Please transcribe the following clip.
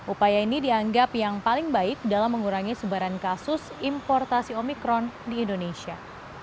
upaya ini dianggap yang paling baik dalam mengurangi sebaran kasus importasi omikron di indonesia